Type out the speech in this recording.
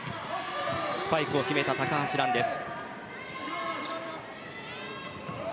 スパイクを決めた高橋藍です。